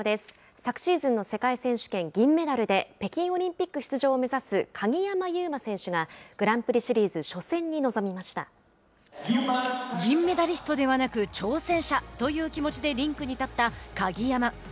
昨シーズンの世界選手権銀メダルで北京オリンピック出場を目指す鍵山優真選手がグランプリシリーズ初戦に「銀メダリストではなく挑戦者」という気持ちでリンクに立った鍵山。